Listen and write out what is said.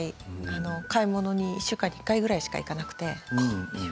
買い物に１週間に１回くらいしか行けなくて。